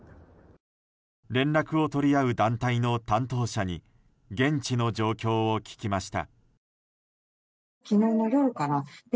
連絡を取り合う団体の担当者に現地の状況を聞きました。